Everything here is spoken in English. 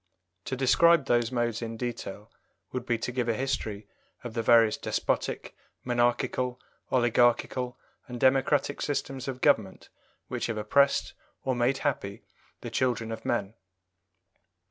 To describe those modes in detail would be to give a history of the various despotic, monarchical, oligarchical, and democratic systems of government which have oppressed or made happy the children of men.